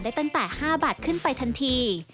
ตั้งแต่๕บาทขึ้นไปทันที